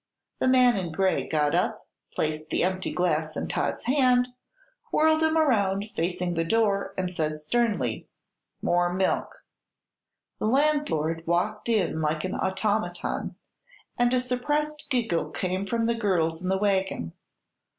The man in gray got up, placed the empty glass in Todd's hand, whirled him around facing the door and said sternly: "More milk!" The landlord walked in like an automaton, and a suppressed giggle came from the girls in the wagon.